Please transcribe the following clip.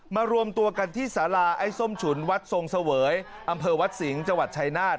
รวมตัวกันที่สาราไอ้ส้มฉุนวัดทรงเสวยอำเภอวัดสิงห์จังหวัดชายนาฏ